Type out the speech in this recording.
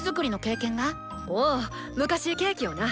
おお昔ケーキをな。